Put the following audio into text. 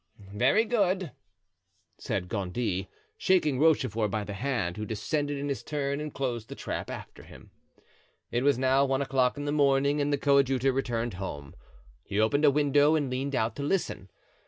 "Very good," said Gondy, shaking Rochefort by the hand, who descended in his turn and closed the trap after him. It was now one o'clock in the morning and the coadjutor returned home. He opened a window and leaned out to listen.